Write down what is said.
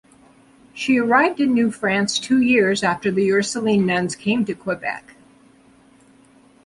She arrived in New France two years after the Ursuline nuns came to Quebec.